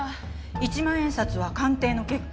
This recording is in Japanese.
１万円札は鑑定の結果